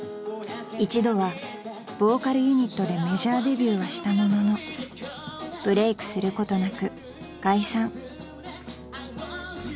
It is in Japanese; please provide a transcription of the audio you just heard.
［一度はボーカルユニットでメジャーデビューはしたもののブレークすることなく解散］